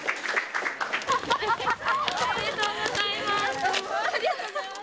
おめでとうございます！